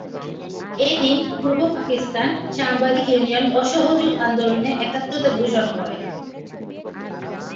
এদিন পূর্ব পাকিস্তান সাংবাদিক ইউনিয়ন অসহযোগ আন্দোলনে একাত্মতা ঘোষণা করে।